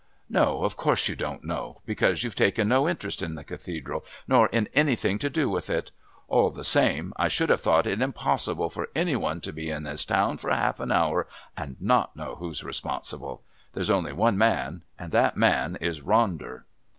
No, of course you don't know, because you've taken no interest in the Cathedral nor in anything to do with it. All the same, I should have thought it impossible for any one to be in this town half an hour and not know who's responsible. There's only one man, and that man is Ronder."